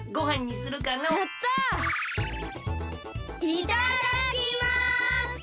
いただきます！